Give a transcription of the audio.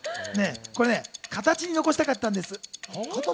これね、形に残したかったんです。